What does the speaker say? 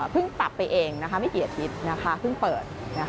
เพิ่งปรับไปเองไม่เกียรติฮิตเพิ่งเปิด